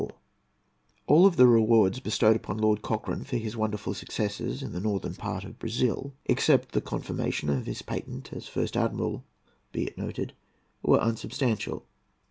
] All the rewards bestowed upon Lord Cochrane for his wonderful successes in the northern part of Brazil, except the confirmation of his patent as First Admiral, be it noted, were unsubstantial.